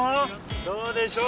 どうでしょう？